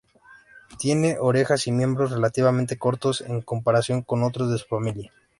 Tiene orejas y miembros relativamente cortos en comparación con otros de su familia.